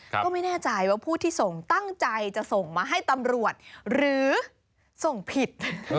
ก็ไม่แน่ใจว่าผู้ที่ส่งตั้งใจจะส่งมาให้ตำรวจหรือส่งผิด